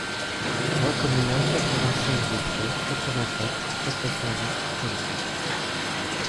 Voie Communale quatre-vingt-cinq des Prés, quatre-vingt-quatre, quatre cent vingt Piolenc